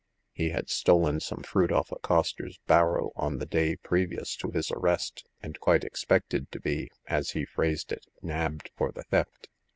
He had stolen some fruit off a coster's barrow on the day pre vious to his arrest, and quite expected to be — as he phrased it~nabbed for the theft.